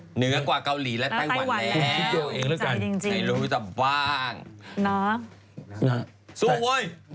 เหนือกว่าเกาหลีและไต้หวันแล้วคุณคิดดูเอาเองแล้วกันไม่รู้จะว่างสู้เว้ย